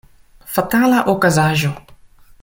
Fatala okazaĵo!